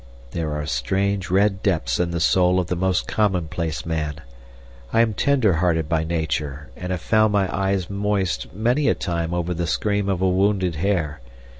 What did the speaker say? There are strange red depths in the soul of the most commonplace man. I am tenderhearted by nature, and have found my eyes moist many a time over the scream of a wounded hare.